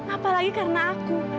apalagi karena aku